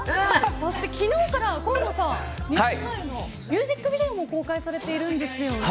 そして昨日からＮＥＷＳｍｉｌｅのミュージックビデオも公開されているんですよね。